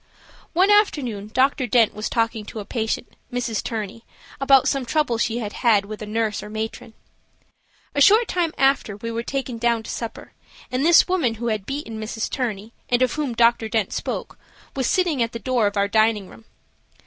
One afternoon, Dr. Dent was talking to a patient, Mrs. Turney, about some trouble she had had with a nurse or matron. A short time after we were taken down to supper and this woman who had beaten Mrs. Turney, and of whom Dr. Dent spoke, was sitting at the door of our dining room.